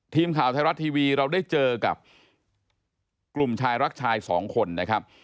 ทีมข่าวไทยรัฐทีวีเราได้เจอกับกลุ่มชายรักชายสองคนนะครับ